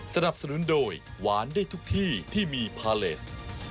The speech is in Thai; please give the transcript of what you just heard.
สนับสนุนโดยหวานได้ทุกที่ที่มีพาเลส